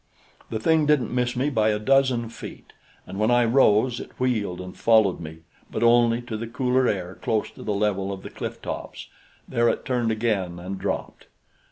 The thing didn't miss me by a dozen feet, and when I rose, it wheeled and followed me, but only to the cooler air close to the level of the cliff tops; there it turned again and dropped.